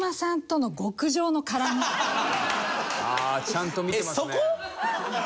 ちゃんと見てますね。